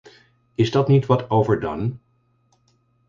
Is dat niet wat overdone?